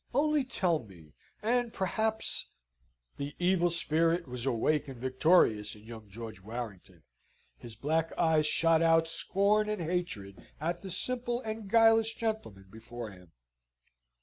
Only tell me, and, perhaps " The evil spirit was awake and victorious in young George Warrington: his black eyes shot out scorn and hatred at the simple and guileless gentleman before him.